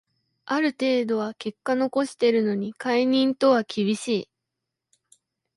ある程度は結果残してるのに解任とは厳しい